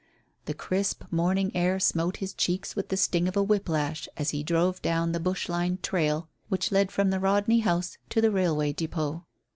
The crisp, morning air smote his cheeks with the sting of a whip lash as he drove down the bush lined trail which led from the Rodney House to the railway depôt.